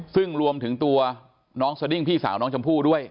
ซึ่งรวมถึงตัวน้องสดิ้งพี่สาวน้องชมพู่ด้วย